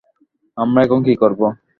আমরা এখন কী করব?